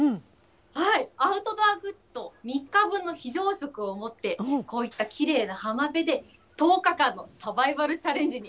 アウトドアグッズと、３日分の非常食を持って、こういったきれいな浜辺で、１０日間のサバイ